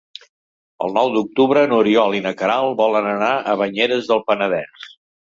El nou d'octubre n'Oriol i na Queralt volen anar a Banyeres del Penedès.